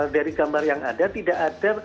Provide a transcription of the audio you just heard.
dari gambar yang ada tidak ada